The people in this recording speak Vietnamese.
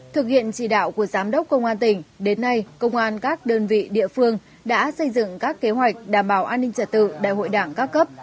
thực hiện chỉ đạo của giám đốc công an tỉnh đến nay công an các đơn vị địa phương đã xây dựng các kế hoạch đảm bảo an ninh trả tự đại hội đảng các cấp